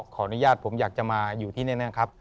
ขออนุญาตผมอยากจะมาอยู่ที่แน่ครับ